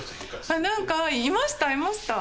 あなんかいましたいました。